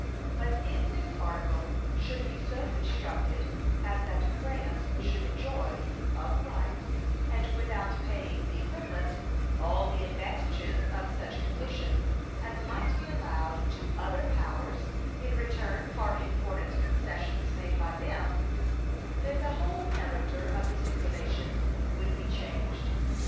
But if this article should be so construed as that France should enjoy, of right, and without paying the equivalent, all the advantages of such conditions as might be allowed to other powers in return for important concessions made by them, then the whole character of the stipulations would be changed.